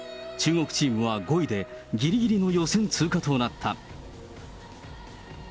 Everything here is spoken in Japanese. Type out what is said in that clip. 中国チームは５位で、ぎりぎりの予選通過となった。